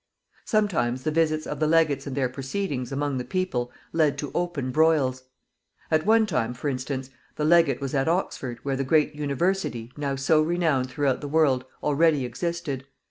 Sometimes the visits of the legates and their proceedings among the people led to open broils. At one time, for instance, the legate was at Oxford, where the great University, now so renowned throughout the world, already existed.